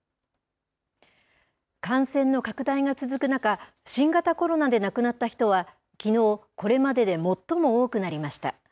感染の拡大が続く中、新型コロナで亡くなった人は、きのう、これまでで最も多くなりました。